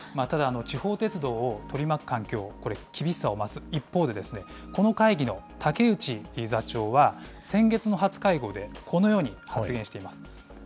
ただ、地方鉄道を取り巻く環境、これ、厳しさを増す一方で、この会議の竹内座長は、先月の初会合で、このように発言しています。